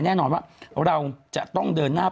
แน่นอนว่าเราจะต้องเดินหน้า